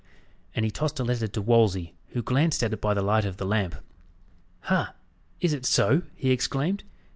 And he tossed a letter to Wolsey, who glanced at it by the light of the lamp. "Ha! is it so?" he exclaimed.